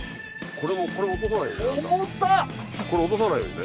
これ落とさないようにね。